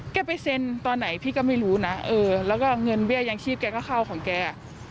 ไปเซ็นตอนไหนพี่ก็ไม่รู้นะเออแล้วก็เงินเบี้ยยังชีพแกก็เข้าของแก